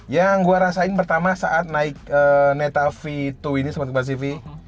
yang gua rasain pertama saat naik neta v dua ini sambat kebasi v